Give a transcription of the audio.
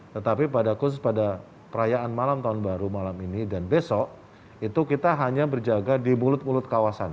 tetapi pada khusus pada perayaan malam tahun baru malam ini dan besok itu kita hanya berjaga di mulut mulut kawasan